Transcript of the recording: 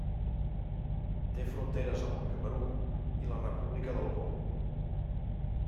Té fronteres amb el Camerun i la República del Congo.